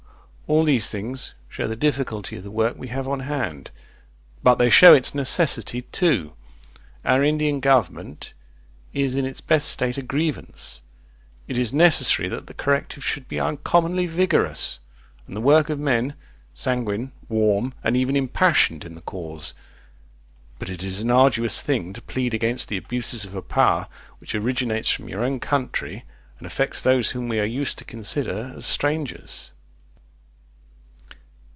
All these things show the difficulty of the work we have on hand; but they show its necessity too. Our Indian government is in its best state a grievance. It is necessary that the corrective should be uncommonly vigorous; and the work of men, sanguine, warm, and even impassioned in the cause. But it is an arduous thing to plead against abuses of a power which originates from your own country, and affects those whom we are used to consider as strangers....